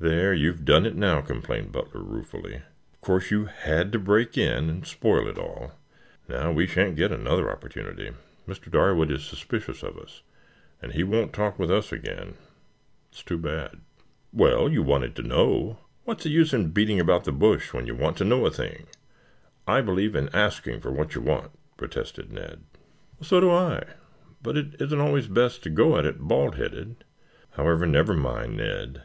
"There, you've done it now," complained Butler ruefully. "Of course you had to break in and spoil it all. Now we shan't get another opportunity. Mr. Darwood is suspicious of us, and he won't talk with us again. It's too bad." "Well, you wanted to know. What's the use in beating about the bush when you want to know a thing. I believe in asking for what you want," protested Ned. "So do I, but it isn't always best to go at it bald headed. However, never mind, Ned.